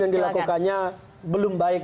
yang dilakukannya belum baik